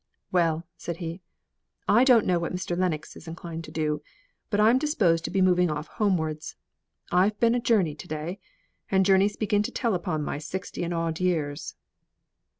"Well!" said he, "I don't know what Mr. Lennox is inclined to do, but I'm disposed to be moving off homewards. I've been a journey to day, and journeys begin to tell upon my sixty and odd years."